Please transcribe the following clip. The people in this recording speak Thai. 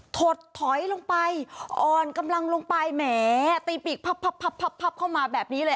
ถดถอยลงไปอ่อนกำลังลงไปแหมตีปีกพับพับเข้ามาแบบนี้เลย